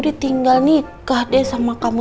ditinggal nikah deh sama kamu